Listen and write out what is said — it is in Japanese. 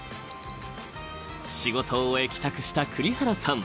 ［仕事を終え帰宅した栗原さん］